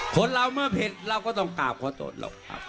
คนเราเมื่อเผ็ดเราก็ต้องกราบขอโทษหรอกครับ